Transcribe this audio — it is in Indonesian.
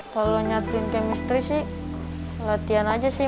kalau nyatuin kemistri sih latihan aja sih